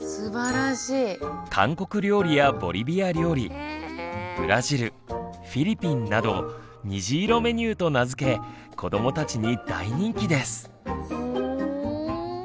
韓国料理やボリビア料理ブラジルフィリピンなど「にじいろメニュー」と名付け子どもたちに大人気です。